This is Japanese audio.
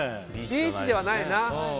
ビーチではないな。